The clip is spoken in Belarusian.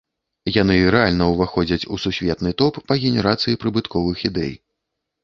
Яны рэальна ўваходзяць у сусветны топ па генерацыі прыбытковых ідэй.